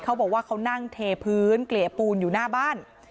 เขาบอกว่าเขานั่งเทพื้นเกลี่ยปูนอยู่หน้าบ้าน